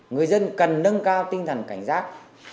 người dân cần nâng cao tinh thần cảnh giác